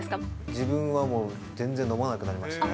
自分はもう、全然飲まなくなりましたね。